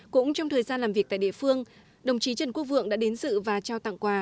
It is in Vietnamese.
cũng trong thời gian làm việc tại địa phương đồng chí trần quốc vượng đã đến dự và trao tặng quà